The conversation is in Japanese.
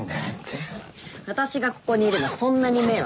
私がここにいるのそんなに迷惑？